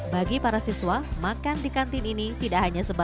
bagi para siswa makan di kantin ini tidak hanya sebatasan